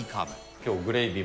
きょう、グレイビー、